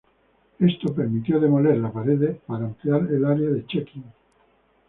Esto permitió demoler la pared para ampliar el área de check-in.